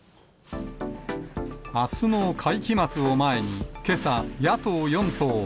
あすの会期末を前に、けさ、野党４党は。